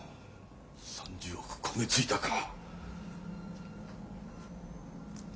３０億焦げ付いたか。